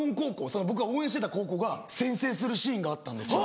その僕が応援してた高校が先制するシーンがあったんですよ